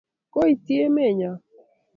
koityi emenyo k